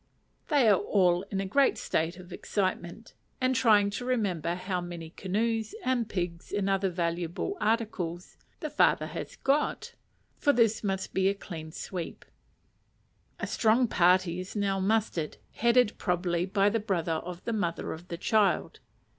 They are all in a great state of excitement, and trying to remember how many canoes, and pigs, and other valuable articles, the father has got: for this must be a clean sweep. A strong party is now mustered, headed probably by the brother of the mother of the child.